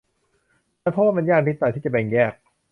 ฉันพบว่ามันยากนิดหน่อยที่จะแบ่งแยก